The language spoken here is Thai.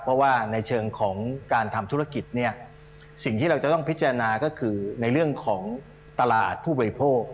เพราะว่าในเชิงของการทำธุรกิจเนี่ยสิ่งที่เราจะต้องพิจารณาก็คือในเรื่องของตลาดผู้บริโภค